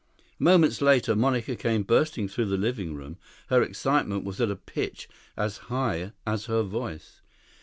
Moments later, Monica came bursting through the living room. Her excitement was at a pitch as high as her voice.